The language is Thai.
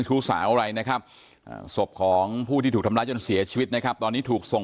ผู้หญิงเหมือนกันมันไม่ใช่ไหม